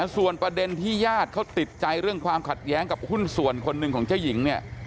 ส่วนประเด็นที่ญาติเขาติดใจเรื่องความขัดแย้งกับหุ้นส่วนคนหนึ่งของเจ้าหญิงเนี่ย